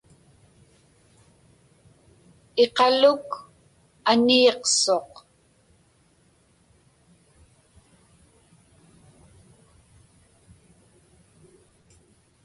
Iqaluk aniiqsuq.